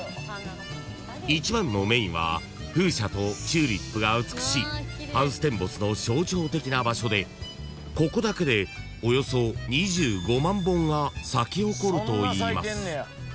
［一番のメインは風車とチューリップが美しいハウステンボスの象徴的な場所でここだけでおよそ２５万本が咲き誇るといいます］